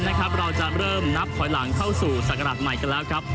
เราจะเริ่มนับถอยหลังเข้าสู่ศักราชใหม่กันแล้วครับ